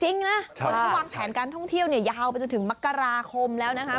จริงนะคนเขาวางแผนการท่องเที่ยวเนี่ยยาวไปจนถึงมกราคมแล้วนะคะ